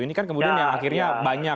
ini kan kemudian yang akhirnya banyak